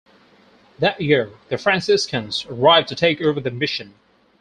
That year, the Franciscans arrived to take over the mission.